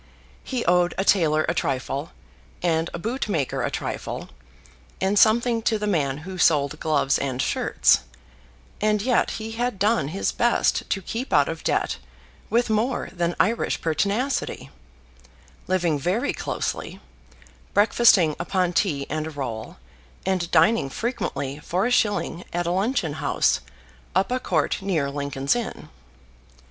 He owed a tailor a trifle, and a bootmaker a trifle, and something to the man who sold gloves and shirts; and yet he had done his best to keep out of debt with more than Irish pertinacity, living very closely, breakfasting upon tea and a roll, and dining frequently for a shilling at a luncheon house up a court near Lincoln's Inn.